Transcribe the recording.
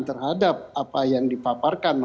terhadap apa yang dipaparkan